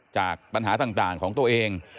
จากปัญหาต่างของตัวเอง